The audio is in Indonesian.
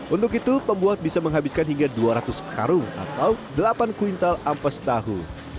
untuk itu pembuat bisa menghabiskan hingga dua ratus karung atau delapan kuintal ampas tahu